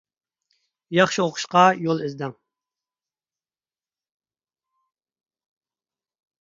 ياخشى ئوقۇشقا يول ئىزدەڭ.